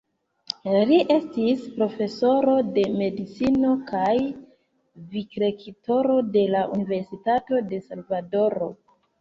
Li estis profesoro de Medicino kaj Vicrektoro de la Universitato de Salvadoro.